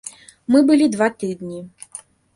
Мы былі два тыдні.